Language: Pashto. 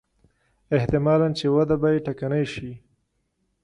احتمالاً چې وده به یې ټکنۍ شي.